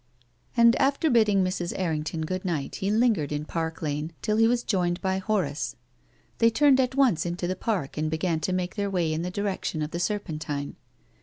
And, after bidding Mrs. Errington good night, he lingered in Park Lane till he was joined by Horace. They turned at once into the Park and began to make their way in the direction of the Serpentine.